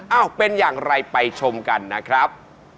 เป็นอย่างไรไปชมกันนะครับ